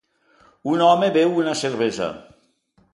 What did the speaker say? Un home beu una cervesa.